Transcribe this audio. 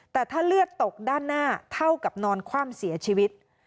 แต่ถ้าเลือดตกด้านหน้าเท่ากับนอนคว่ำเสียชีวิต